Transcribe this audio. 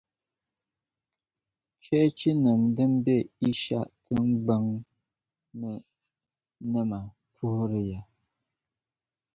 Cheechinim’ din be Ɛsha tiŋgbɔŋ ni nima puhiri ya.